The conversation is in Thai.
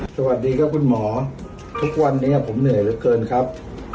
สวัสดีครับคุณหมอทุกวันนี้ผมเหนื่อยเหลือเกินครับ